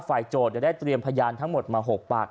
โจทย์ได้เตรียมพยานทั้งหมดมา๖ปาก